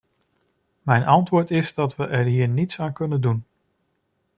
Mijn antwoord is dat we er hier niets aan kunnen doen.